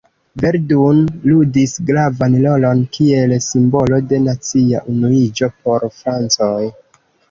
Verdun ludis gravan rolon kiel simbolo de nacia unuiĝo por francoj.